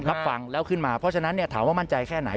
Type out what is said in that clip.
รับฟังแล้วขึ้นมาเพราะฉะนั้นถามว่ามั่นใจแค่ไหน